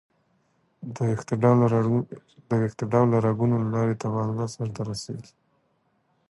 د ویښته ډوله رګونو له لارې تبادله سر ته رسېږي.